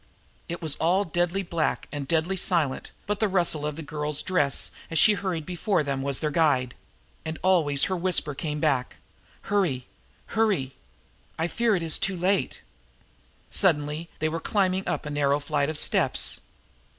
It was all deadly black and deadly silent, but the rustling of the girl's dress, as she hurried before them, was their guide. And always her whisper came back: "Hurry! Hurry! I fear it is too late!" Suddenly they were climbing up a narrow flight of steps.